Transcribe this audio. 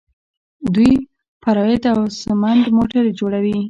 دوی پراید او سمند موټرې جوړوي.